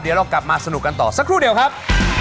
เดี๋ยวเรากลับมาสนุกกันต่อสักครู่เดียวครับ